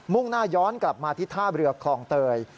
่งหน้าย้อนกลับมาที่ท่าเรือคลองเตย